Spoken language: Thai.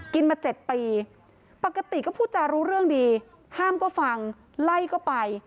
มา๗ปีปกติก็พูดจารู้เรื่องดีห้ามก็ฟังไล่ก็ไป